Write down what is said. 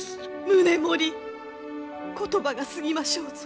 宗盛言葉が過ぎましょうぞ。